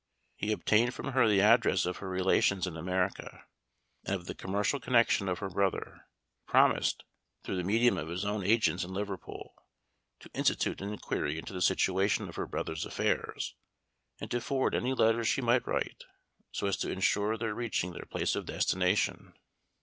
He obtained from her the address of her relations in America, and of the commercial connection of her brother; promised, through the medium of his own agents in Liverpool, to institute an inquiry into the situation of her brother's affairs, and to forward any letters she might write, so as to insure their reaching their place of destination.